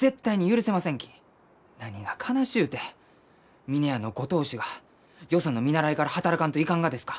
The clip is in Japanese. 何が悲しゅうて峰屋のご当主がよその見習いから働かんといかんがですか？